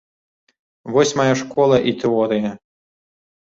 Вось мая школа і тэорыя.